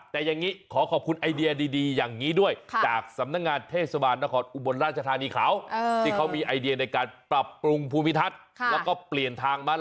แต่อย่างนี้ขอขอบคุณไอเดียดีอย่างนี้ด้วย